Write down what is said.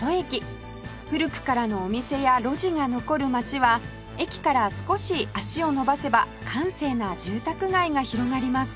古くからのお店や路地が残る街は駅から少し足を延ばせば閑静な住宅街が広がります